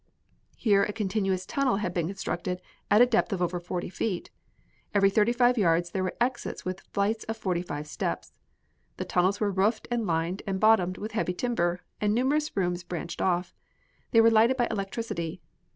Here a continuous tunnel had been constructed at a depth of over forty feet. Every thirty five yards there were exits with flights of forty five steps. The tunnels were roofed and lined and bottomed with heavy timber, and numerous rooms branched off. They were lighted by electricity.